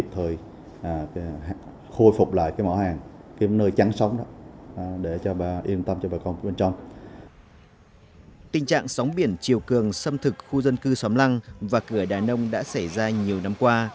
tình trạng sóng biển chiều cường xâm thực khu dân cư xóm lăng và cửa đàn nông đã xảy ra nhiều năm qua